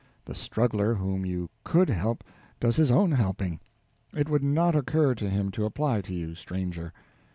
The struggler whom you _could _help does his own helping; it would not occur to him to apply to you, stranger.